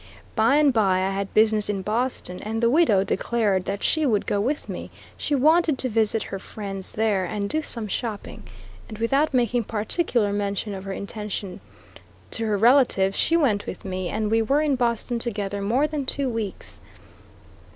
By and by I had business in Boston, and the widow declared that she would go with me; she wanted to visit her friend's there and do some shopping; and without making particular mention of her intention to her relatives, she went with me, and we were in Boston together more than two weeks.